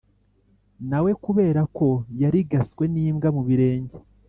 nawe kubera ko yarigaswe n’imbwa mu birenge